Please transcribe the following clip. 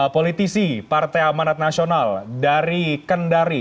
politisi partai amanat nasional dari kendari